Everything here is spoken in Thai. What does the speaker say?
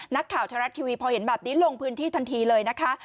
นักข่าวไทยรัฐทีวีพอเห็นแบบนี้ลงพื้นที่ทันทีเลยนะคะ